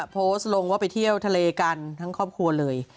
โพสต์ลงว่าไปเที่ยวทะเลกันทั้งครอบครัวเลย